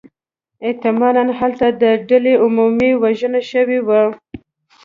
احتمالاً هلته د ډلې عمومی وژنه شوې وه.